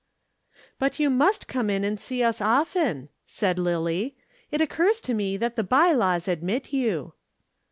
"But you must come in and see us often," said Lillie. "It occurs to me that the by laws admit you."